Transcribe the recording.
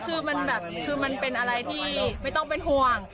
คือมันแบบคือมันเป็นอะไรที่ไม่ต้องเป็นห่วง